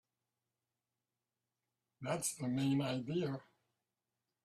That's the main idea.